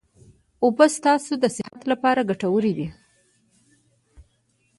اوبه ستاسو د صحت لپاره ګټوري دي